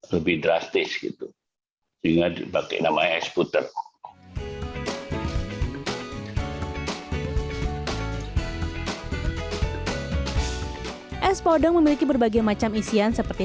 lebih drastis gitu sehingga dipakai namanya es puter es podong memiliki berbagai macam isian seperti